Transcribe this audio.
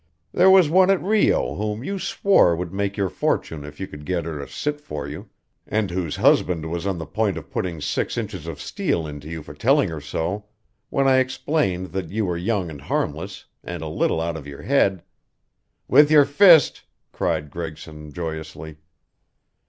"There was one at Rio whom you swore would make your fortune if you could get her to sit for you, and whose husband was on the point of putting six inches of steel into you for telling her so, when I explained that you were young and harmless, and a little out of your head " "With your fist," cried Gregson, joyously.